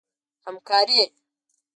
همکاري